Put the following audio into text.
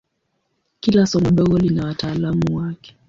Kila somo dogo lina wataalamu wake.